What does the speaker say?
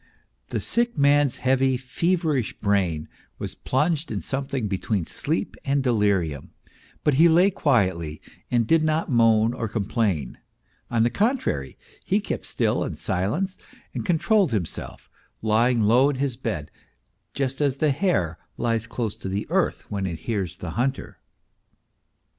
The sick man's heavy, feverish brain was plunged in something between sleep and delirium ; but he lay quietly and did not moan or complain ; on the contrary he kept still and silent and controlled himself, lying low in his bed, just as the hare lies close to the earth when it hears the hunter.